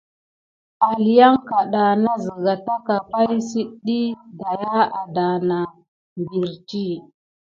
Aliyanka da na ziga taka pay si diy daya adanah beridi.